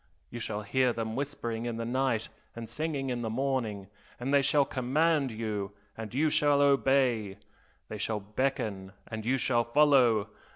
you shall hear them whispering in the night and singing in the morning, and they shall command you and you shall obey! they shall beckon and you shall follow!